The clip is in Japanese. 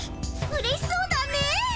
うれしそうだね。